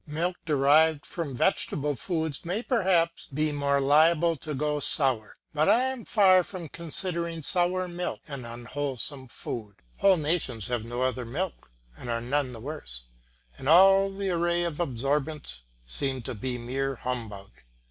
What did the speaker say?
Milk derived from vegetable foods may perhaps be more liable to go sour, but I am far from considering sour milk an unwholesome food; whole nations have no other food and are none the worse, and all the array of absorbents seems to me mere humbug.